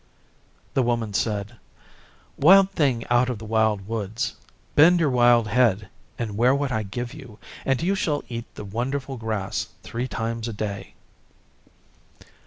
The Woman said, 'Wild Thing out of the Wild Woods, bend your wild head and wear what I give you, and you shall eat the wonderful grass three times a day.